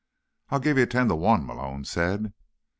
"I'll give you ten to one," Malone said.